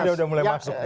udah mulai masuk